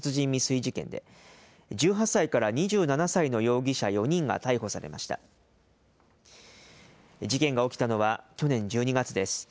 事件が起きたのは去年１２月です。